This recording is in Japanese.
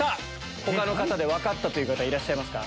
他の方で分かったという方いらっしゃいますか？